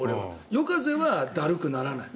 夜風はだるくならない。